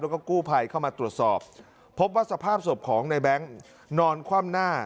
แล้วก็กู้ภัยเข้ามาตรวจสอบพบว่าสภาพศพของในแบงค์นอนคว่ำหน้า